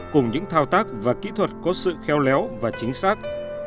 cùng những thao tác và kỹ thuật có sự khéo léo và chính xác